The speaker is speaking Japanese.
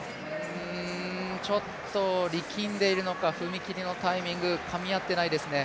ちょっと力んでいるのか踏み切りのタイミング、かみ合っていないですね。